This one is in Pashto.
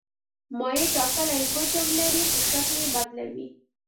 مایع ټاکلی حجم لري خو شکل یې بدلوي.